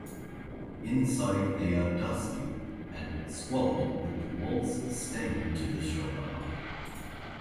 Inside they are "dusty" and "squalid" with the walls "stained to shoulder height".